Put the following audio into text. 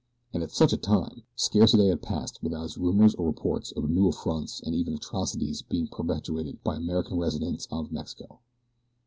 And at such a time! Scarce a day passed without its rumors or reports of new affronts and even atrocities being perpetrated upon American residents of Mexico.